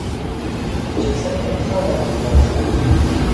چے سَیں اِنساناں کریا ہوں۔